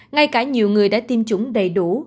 ngay cả nhiều người đã tiêm chủng đầy đủ